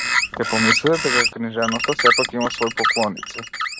Ќе помислите дека книжевноста сепак има свои поклоници.